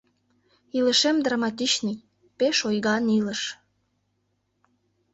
Илышем драматичный... пеш ойган илыш...